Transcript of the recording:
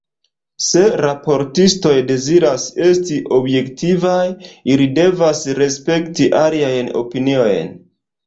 Se raportistoj deziras esti objektivaj, ili devas respekti aliajn opiniojn.